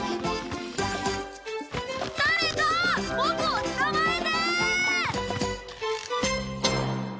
誰かボクを捕まえて！